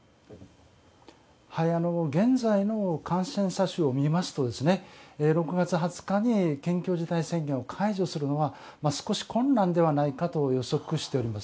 現在の感染者数を見ますと６月２０日に緊急事態宣言を解除するのは少し困難ではないかと予測しております。